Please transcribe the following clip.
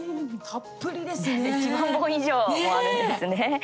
１万本以上もあるんですね。